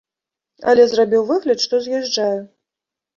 Але зрабіў выгляд, што з'язджаю.